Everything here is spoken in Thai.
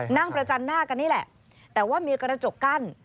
นั่งประจันหน้ากันนี่แหละแต่ว่ามีกระจกกั้น